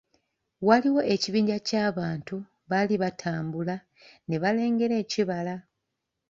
Waaliwo ekibinja kya bantu, baali batambula ne balengera ekibala.